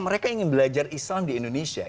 mereka ingin belajar islam di indonesia